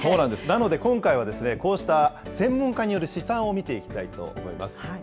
なので今回は、こうした専門家による試算を見ていきたいと思います。